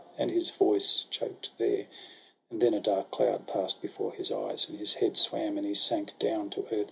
— and his voice choked there. And then a dark cloud pass'd before his eyes, And his head swam, and he sank down to earth.